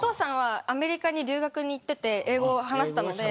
アメリカに留学に行ってて英語、話せたので。